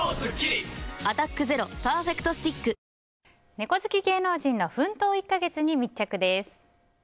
猫好き芸能人の奮闘１か月に密着です。